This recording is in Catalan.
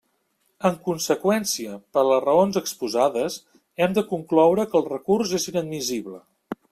En conseqüència, per les raons exposades, hem de concloure que el recurs és inadmissible.